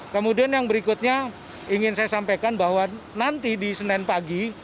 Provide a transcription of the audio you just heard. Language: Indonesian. kemudian yang berikutnya ingin saya sampaikan bahwa nanti di senin pagi